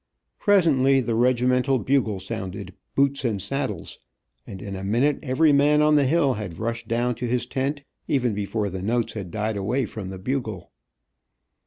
Presently the regimental bugle sounded "Boots and saddles," and in a minute every man on the hill had rushed down to his tent, even before the notes had died away from the bugle.